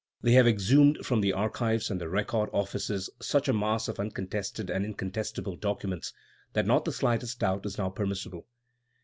They have exhumed from the archives and the record offices such a mass of uncontested and incontestable documents, that not the slightest doubt is now permissible.